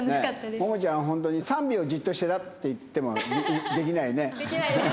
ももちゃんはホントに３秒じっとしてなって言ってもできないね。